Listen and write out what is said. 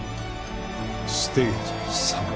ステージⅢ。